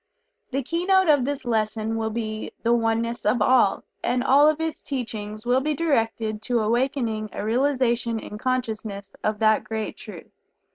The keynote of this lesson will be "The Oneness of All," and all of its teachings will be directed to awakening a realization in consciousness of that great truth.